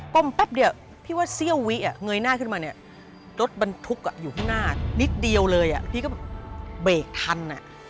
้มแป๊บเดียวพี่ว่าเสี้ยววิเงยหน้าขึ้นมาเนี่ยรถบรรทุกอยู่ข้างหน้านิดเดียวเลยพี่ก็แบบเบรกทัน